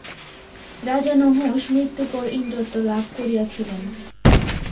রাজা নহুষ মৃত্যুর পর ইন্দ্রত্ব লাভ করিয়াছিলেন।